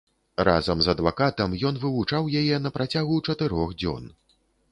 Разам з адвакатам ён вывучаў яе на працягу чатырох дзён.